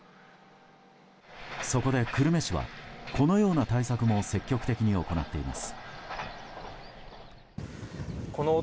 そこで久留米市はこのような対策も積極的に行っています。